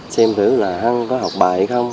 xem thử là hân có học bài hay không